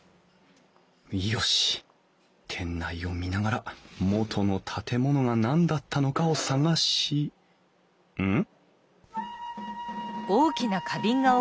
よし店内を見ながら元の建物が何だったのかを探しうん？